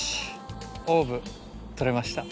オーブとれました。